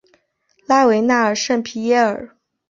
拉纳维尔圣皮耶尔。